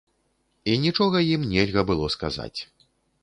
І нічога ім нельга было сказаць.